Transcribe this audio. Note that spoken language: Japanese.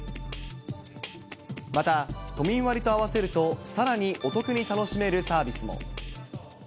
また、都民割と合わせると、さらにお得に楽しめるサービスも。